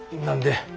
何で？